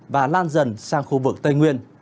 và lan dần sang khu vực tây nguyên